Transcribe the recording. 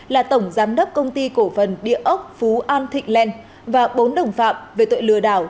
là tổng giám đốc công ty cổ phần địa ốc phú an thịnh lan và bốn đồng phạm về tội lừa đảo